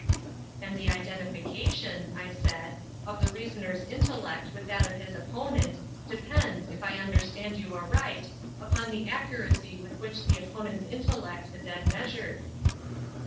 "And the identification," I said, "of the reasoner's intellect with that of his opponent, depends, if I understand you aright, upon the accuracy with which the opponent's intellect is admeasured."